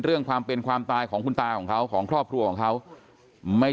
ความเป็นความตายของคุณตาของเขาของครอบครัวของเขาไม่